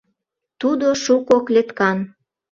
Тудо шуко клеткан.